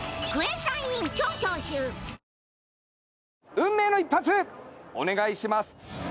運命の１発お願いします。